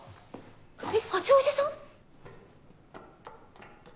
えっ八王子さん？